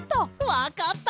わかった！